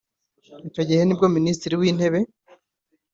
Icyo gihe ni bwo Minisitiri w’Intebe